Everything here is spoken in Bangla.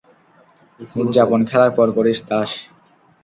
উদযাপন খেলার পর করিস, দাস।